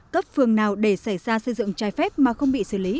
cấp phường nào để xảy ra xây dựng trái phép mà không bị xử lý